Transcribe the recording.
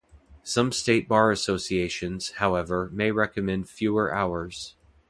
Some state bar associations, however, may recommend fewer hours.